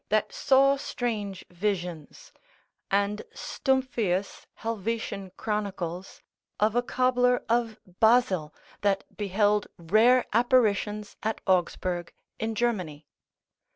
that saw strange visions; and Stumphius Helvet Cornic, a cobbler of Basle, that beheld rare apparitions at Augsburg, in Germany.